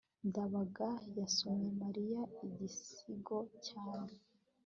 ndabaga yasomye mariya igisigo cyane